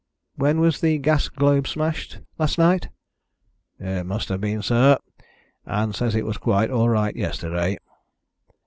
"When was the gas globe smashed? Last night?" "It must have been, sir. Ann says it was quite all right yesterday."